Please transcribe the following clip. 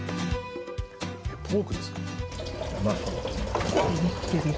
ポークですかね？